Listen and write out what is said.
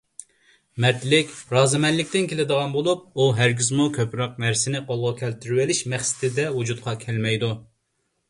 مەردلىك رازىمەنلىكتىن كېلىدىغان بولۇپ، ئۇ ھەرگىزمۇ كۆپرەك نەرسىنى قولغا كەلتۈرۈۋېلىش مەقسىتىدە ۋۇجۇدقا كەلمەيدۇ.